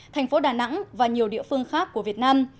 thành phố đà nẵng và nhiều địa phương khác của việt nam